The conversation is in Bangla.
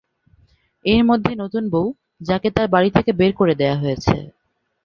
এর মধ্যে নতুন বৌ, যাঁকে তাঁর বাড়ি থেকে বের করে দেওয়া হয়েছে।